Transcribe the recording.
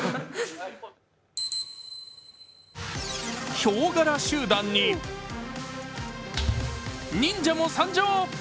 ヒョウ柄集団に、忍者も参上。